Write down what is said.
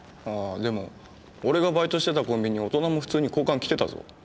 でも俺がバイトしてたコンビニ大人も普通に交換来てたぞ。